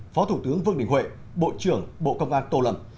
phó thủ tướng vương đình huệ bộ trưởng bộ công an tô lâm